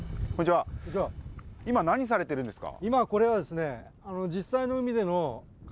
今、何されてるんですか？